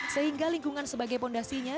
sehingga lingkungan sebagai fondasinya